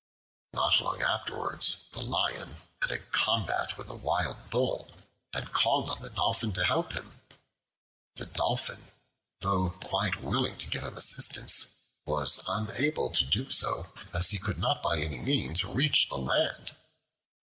Not long afterwards the Lion had a combat with a wild bull, and called on the Dolphin to help him. The Dolphin, though quite willing to give him assistance, was unable to do so, as he could not by any means reach the land.